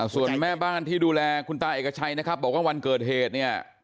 ส่วนแม่บ้านที่ดูแลคุณตาเอกชัยนะครับบอกว่าวันเกิดเหตุเนี่ย